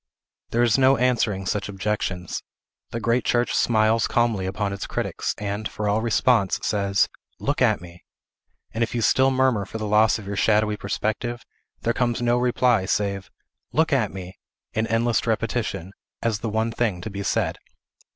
There is no answering such objections. The great church smiles calmly upon its critics, and, for all response, says, "Look at me!" and if you still murmur for the loss of your shadowy perspective, there comes no reply, save, "Look at me!" in endless repetition, as the one thing to be said.